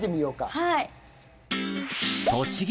はい。